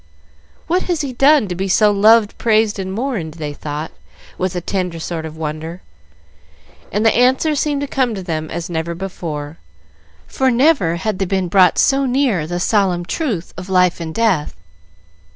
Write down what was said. "What has he done, to be so loved, praised, and mourned?" they thought, with a tender sort of wonder; and the answer seemed to come to them as never before, for never had they been brought so near the solemn truth of life and death.